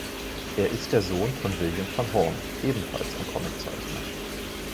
Er ist der Sohn von William Van Horn, ebenfalls ein Comiczeichner.